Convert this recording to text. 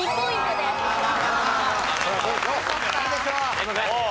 すいません。